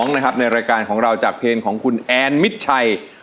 นะครับในรายการของเราจากเพลงของคุณแอนมิดชัย